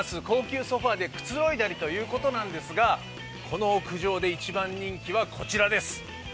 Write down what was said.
高級ソファーでくつろいだりということなんですが、この屋上で一番人気はこちらです。